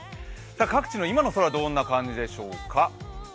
各地の今の空、どんな感じでしょうか。